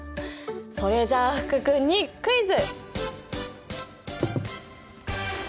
それじゃ福君にクイズ！